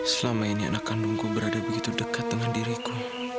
selama ini anak kandungku berada begitu dekat dengan diriku